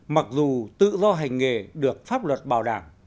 mặc dù tự do hành nghề được pháp luật bảo đảm